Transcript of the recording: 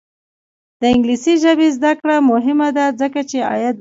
د انګلیسي ژبې زده کړه مهمه ده ځکه چې عاید لوړوي.